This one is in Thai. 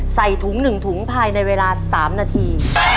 ใส่ถุง๑ถุงภายในเวลา๓นาที